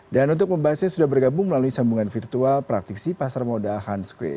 dan untuk membahasnya sudah bergabung melalui sambungan virtual praktiksi pasar modal hans kueh